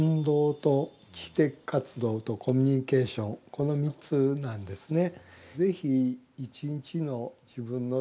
この３つなんですね。